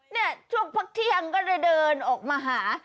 เนี่ยช่วงพักเที่ยงก็เลยเดินออกมาหา